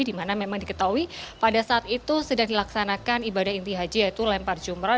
dimana memang diketahui pada saat itu sedang dilaksanakan ibadah inti haji yaitu lempar jumroh